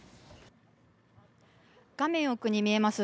画面奥に見えます